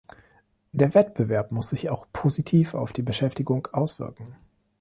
Der Wettbewerb muss sich auch positiv auf die Beschäftigung auswirken.